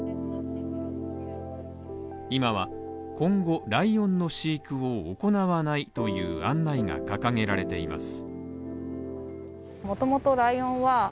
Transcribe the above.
今は、今後ライオンの飼育を行わないという案内が掲げられています。